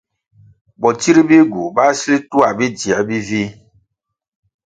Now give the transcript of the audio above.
Botsir bihgu báh sil tuah bi dzier bi vih.